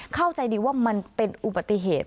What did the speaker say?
เข้าใจดีว่ามันเป็นอุบัติเหตุ